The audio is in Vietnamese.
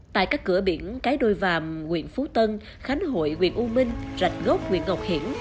tại các cửa biển cái đôi vàm nguyện phú tân khánh hội nguyện u minh rạch gốc nguyện ngọc hiển